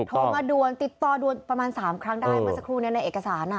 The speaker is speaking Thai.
โทรมาดูลติดตอบดูลประมาณ๓ครั้งได้มาสักครู่เนี่ยในเอกสารอะ